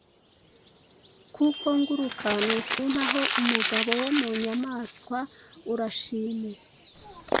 kuko nguruka; nukumpaho umugabo wo mu nyamaswa urashime,